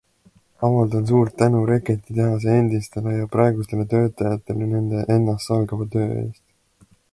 Avaldan suurt tänu reketitehase endistele ja praegustele töötajatele nende ennastsalgava töö eest.